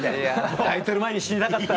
タイトル前に死にたかった。